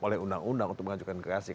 oleh undang undang untuk mengajukan gerasi